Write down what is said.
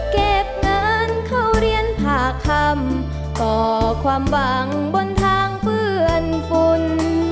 เก็บงานเข้าเรียนผ่าคำก่อความหวังบนทางเปื้อนฝุ่น